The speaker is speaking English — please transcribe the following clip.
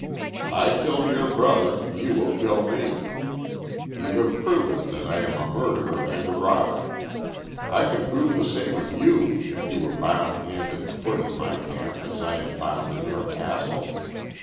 I killed your brother; you will kill me. You have proven that I am a murderer and a robber; I could prove the same of you if you were bound hand and foot in my camp as I am bound in your castle.